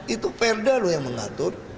itu perda loh yang mengatur